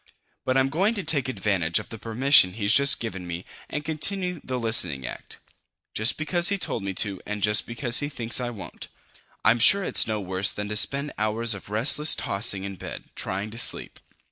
"But I'm going to take advantage of the permission he's just given me and continue the listening act. Just because he told me to and just because he thinks I won't. I'm sure it's no worse than to spend hours of restless tossing in bed, trying to sleep."